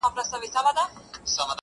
لمر کمزوری ښکاري دلته ډېر,